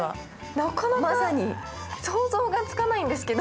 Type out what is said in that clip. なかなか想像がつかないんですけど。